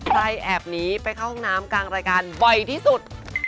แอบหนีไปเข้าห้องน้ำกลางรายการบ่อยที่สุด